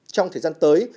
trong thời gian tới